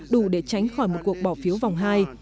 đủ để tránh phá vỡ thế bê tắc trong đàm phán